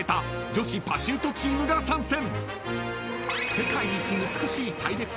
女子パシュートチームが参戦］